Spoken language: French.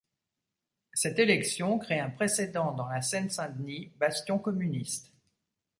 Cette élection crée un précédent dans la Seine-Saint-Denis, bastion communiste.